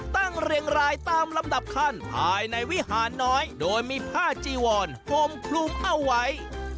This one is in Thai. เรียงรายตามลำดับขั้นภายในวิหารน้อยโดยมีผ้าจีวอนห่มคลุมเอาไว้